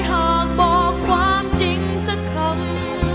หากบอกความจริงสักคำ